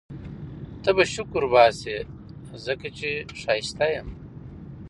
ته به شکرباسې ځکه چي ښایسته یم